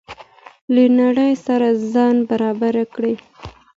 له نړۍ سره ځان برابر کړئ.